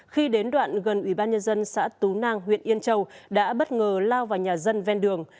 khi đến đoạn gần ủy ban nhân dân xã tú nang huyện yên châu đã bất ngờ lao vào nhà dân ven đường